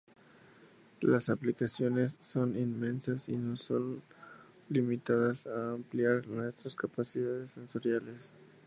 Las aplicaciones son inmensas y no solo limitadas a ampliar nuestras capacidades sensoriales.